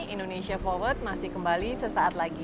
indonesia forward masih kembali sesaat lagi